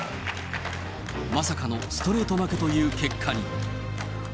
まさかのストレート負けという結果に。